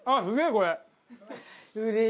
これ。